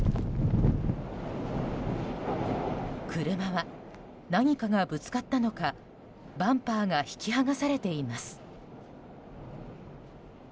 車は、何かがぶつかったのかバンパーが引き剥がされています。